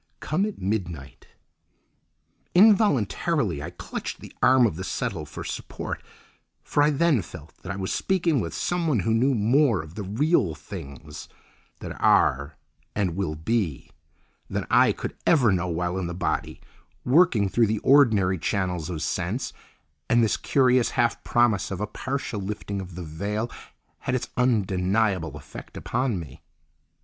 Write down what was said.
Come at midnight—" Involuntarily I clutched the arm of the settle for support, for I then felt that I was speaking with someone who knew more of the real things that are and will be, than I could ever know while in the body, working through the ordinary channels of sense—and this curious half promise of a partial lifting of the veil had its undeniable effect upon me.